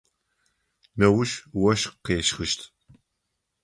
Неущ ощх къещхыщт.